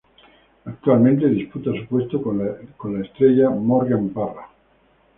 Actualmente disputa su puesto con la estrella Morgan Parra.